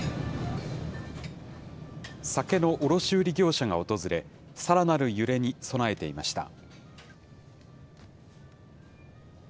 酒の卸売り業者が訪れ、さらなる揺れに備えていました。